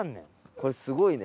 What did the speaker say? これすごいね。